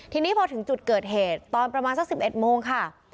ทีนี้พอถึงจุดเกิดเหตุตอนประมาณสัก๑๑โมงค่ะ